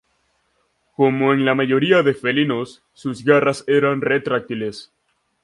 Como en la mayoría de felinos, sus garras eran retráctiles.